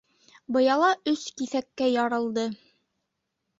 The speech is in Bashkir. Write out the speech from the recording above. Быяла өс киҫәккә ярылды.